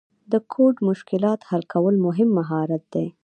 د کوډ مشکلات حل کول مهم مهارت دی.